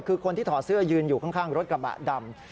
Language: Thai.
คือคนที่ถอดเสื้อยืนอยู่ข้างรถกระบะดำ